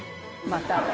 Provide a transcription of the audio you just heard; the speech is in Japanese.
また。